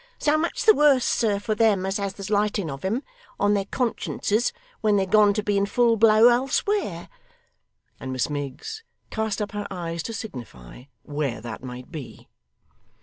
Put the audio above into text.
So much the worse, sir, for them as has the slighting of 'em on their consciences when they're gone to be in full blow elsewhere.' And Miss Miggs cast up her eyes to signify where that might be.